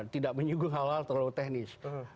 tidak menyuguh hal hal terlalu teknis